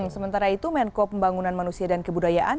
sementara itu menko pembangunan manusia dan kebudayaan